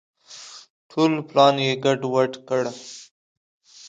ټول پلان یې ګډ وډ کړ.